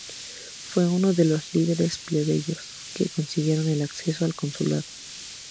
Fue uno de los líderes plebeyos que consiguieron el acceso al consulado.